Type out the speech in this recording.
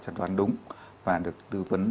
chẩn đoán đúng và được tư vấn